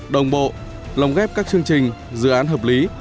đồng bộ lồng ghép các chương trình dự án hợp lý